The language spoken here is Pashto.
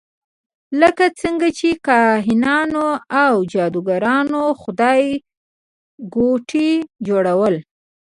لکه څرنګه چې کاهنانو او جادوګرانو خدایګوټي جوړول.